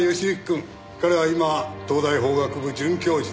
彼は今東大法学部准教授。